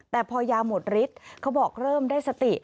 แต่พอยาหมดฤทธิ์เขาบอกเริ่มได้สติ